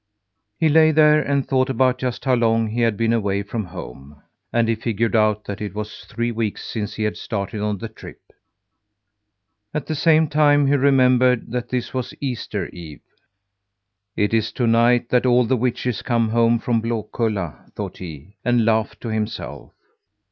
He lay there and thought about just how long he had been away from home; and he figured out that it was three weeks since he had started on the trip. At the same time he remembered that this was Easter eve. "It is to night that all the witches come home from Blakulla," thought he, and laughed to himself.